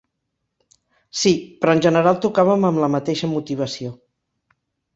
Sí, però en general tocàvem amb la mateixa motivació.